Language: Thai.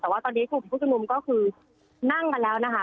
แต่ว่าตอนนี้กลุ่มผู้ชมนุมก็คือนั่งกันแล้วนะคะ